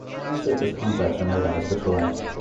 No surface contacts were made on this patrol.